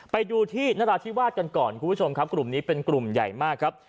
ไปดูที่นราธิวาสกันก่อนคุณผู้ชมครับกลุ่มนี้เป็นกลุ่มใหญ่มากครับ